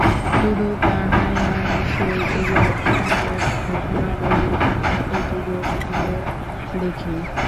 শুধু তাহাই নয়, সে-যুগের অনুরূপ ঘটনাবলী আমরা এযুগেও ঘটিতে দেখি।